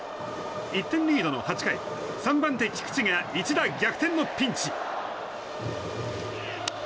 １点リードの８回３番手、菊地が一打逆転のピンチ。